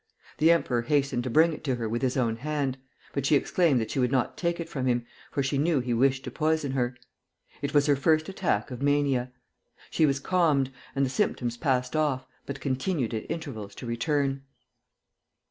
The emperor hastened to bring it to her with his own hand; but she exclaimed that she would not take it from him, for she knew he wished to poison her. It was her first attack of mania. She was calmed, and the symptoms passed off, but continued at intervals to return.